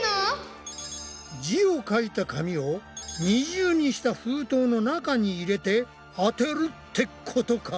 字を書いた紙を二重にした封筒の中に入れて当てるってことか。